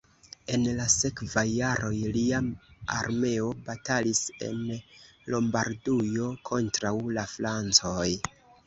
En la sekvaj jaroj lia armeo batalis en Lombardujo kontraŭ la francoj.